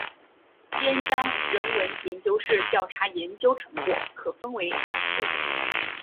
边疆人文研究室调查研究成果可分为两部分。